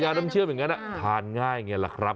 ยาน้ำเชื่อมอย่างงั้นอ่ะทานง่ายอย่างงี้แหละครับ